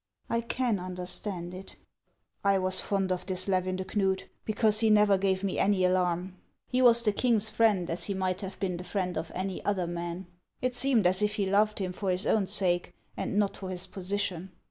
" I can understand it." " I was fond of this Levin de Knud, because he never gave me any alarm. He was the king's friend as he might have been the friend of any other man. It seemed as if he loved him for his own sake, and not for his position."